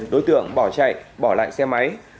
đối tượng bỏ chạy bỏ lại xe máy